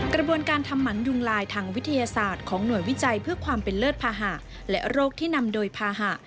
กระบวนการทำหมันยุงลายทางวิทยาศาสตร์ของหน่วยวิจัยเพื่อความเป็นเลิศภาหะและโรคที่นำโดยภาหะ